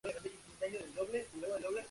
Además es un gran guardián.